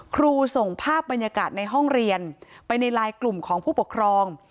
ส่งภาพบรรยากาศในห้องเรียนไปในไลน์กลุ่มของผู้ปกครอง